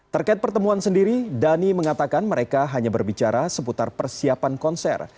terkait pertemuan sendiri dhani mengatakan mereka hanya berbicara seputar persiapan konser